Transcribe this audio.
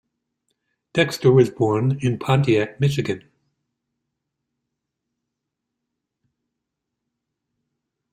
Dexter was born in Pontiac, Michigan.